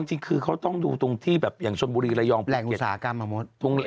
จริงคือเขาต้องดูตรงที่แบบอย่างชนบุรีไรยองปรุกเกต